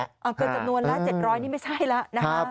เกินจำนวนละ๗๐๐นี่ไม่ใช่ละนะฮะ